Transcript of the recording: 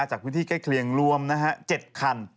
จากพื้นที่ใกล้เคลียงรวม๗คัน